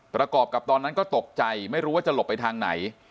ประกอบกับตอนนั้นก็ตกใจไม่รู้ว่าจะหลบไปทางไหน